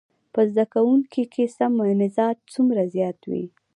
په زده کوونکي کې سم مزاج څومره زيات وي.